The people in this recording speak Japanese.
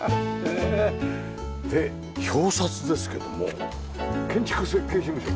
で表札ですけども建築設計事務所？